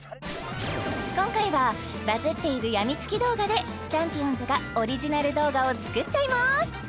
今回はバズっているやみつき動画でちゃんぴおんずがオリジナル動画を作っちゃいます